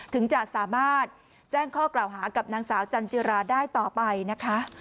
ถึงจะสามารถแจ้งข้อกล่าวหากับนางสาวจันจิราได้ต่อไปนะคะ